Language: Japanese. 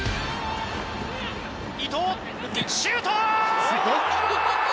伊東、シュート！